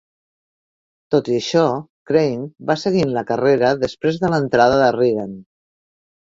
Tot i això, Crane va seguir en la carrera després de l'entrada de Reagan.